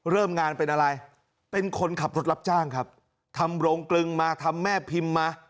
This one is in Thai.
เริ่มงานเป็นอะไรเป็นคนขับรถรับจ้างครับทำโรงกลึงมาทำแม่พิมพ์มา